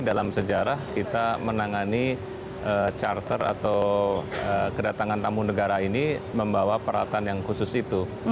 dalam sejarah kita menangani charter atau kedatangan tamu negara ini membawa peralatan yang khusus itu